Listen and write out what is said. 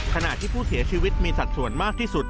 ขณะที่ผู้เสียชีวิตมีสัดส่วนมากที่สุด